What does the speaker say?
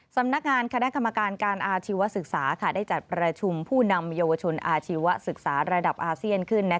สำนักงานคณะกรรมการการอาชีวศึกษาได้จัดประชุมผู้นำเยาวชนอาชีวศึกษาระดับอาเซียนขึ้น